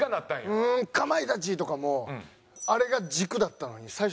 「ううーかまいたち！」とかもあれが軸だったのに最初もうぶっ飛んで。